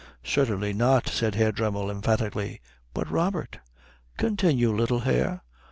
"Certainly not," said Herr Dremmel emphatically. "But Robert " "Continue, little hare."